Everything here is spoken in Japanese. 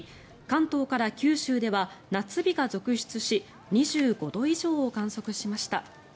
関東から九州では夏日が続出し２５度以上を観測しました。